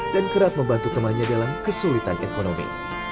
dan kerap membantu temannya dalam kesulitan ekonomi